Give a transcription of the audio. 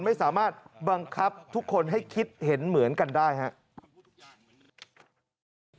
ไม่สามารถบังคับทุกคนให้คิดเห็นเหมือนกันได้ครับ